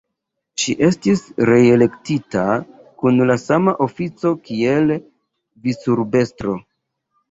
Ŝi estis reelektita kun la sama ofico kiel vicurbestro.